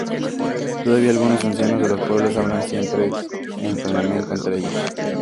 Todavía algunos ancianos de los pueblos hablan siempre en flamenco entre ellos.